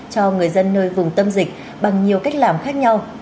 cho người dân nơi vùng tâm dịch bằng nhiều cách làm khác nhau